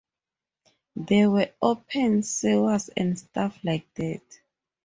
There were open sewers and stuff like that.